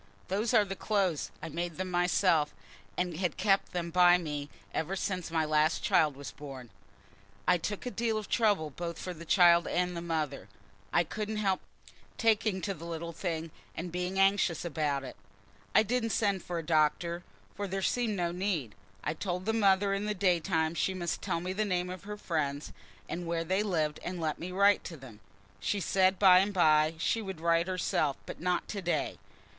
"Those are the clothes. I made them myself, and had kept them by me ever since my last child was born. I took a deal of trouble both for the child and the mother. I couldn't help taking to the little thing and being anxious about it. I didn't send for a doctor, for there seemed no need. I told the mother in the day time she must tell me the name of her friends, and where they lived, and let me write to them. She said, by and by she would write herself, but not to day.